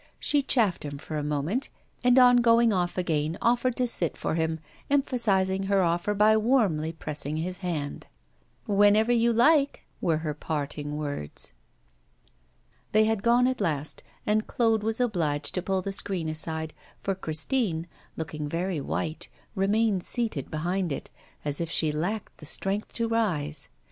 She chaffed him for a moment, and on going off again offered to sit for him, emphasising her offer by warmly pressing his hand. 'Whenever you like,' were her parting words. They had gone at last, and Claude was obliged to pull the screen aside, for Christine, looking very white, remained seated behind it, as if she lacked the strength to rise.